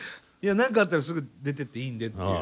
何かあったらすぐ出てっていいんで。